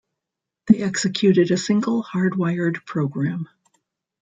They executed a single hardwired program.